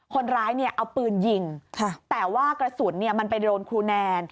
คนร้ายเนี่ยเอาปืนยิงแต่ว่ากระสุนมันไปโดนครูแนน